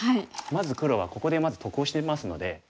まず黒はここで得をしてますので。